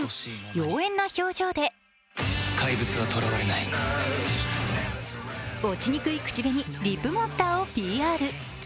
妖艶な表情で落ちにくい口紅、リップモンスターをＰＲ。